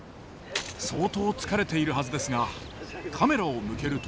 相当疲れているはずですがカメラを向けると。